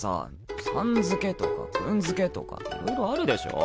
「さん」付けとか「君」付けとかいろいろあるでしょ。